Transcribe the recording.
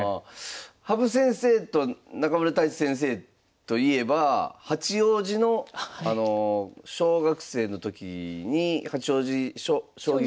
羽生先生と中村太地先生といえば八王子の小学生の時に八王子将棋クラブですか。